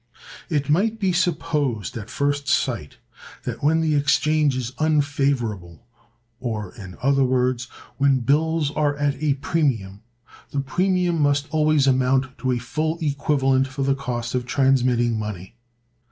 It might be supposed at first sight that when the exchange is unfavorable, or, in other words, when bills are at a premium, the premium must always amount to a full equivalent for the cost of transmitting money.